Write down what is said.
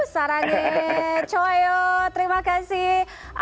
sarang coy terima kasih